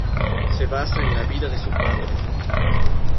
Se basa en la vida de su padre.